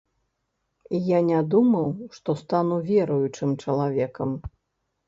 Я не думаў, што стану веруючым чалавекам.